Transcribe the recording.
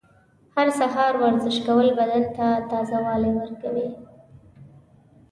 هر سهار ورزش کول بدن ته تازه والی ورکوي.